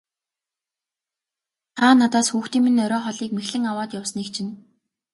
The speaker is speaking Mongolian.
Та надаас хүүхдүүдийн минь оройн хоолыг мэхлэн аваад явсныг чинь.